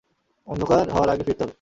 অন্ধকার হওয়ার আগে ফিরতে হবে।